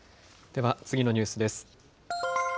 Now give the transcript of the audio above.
では次のニュースです。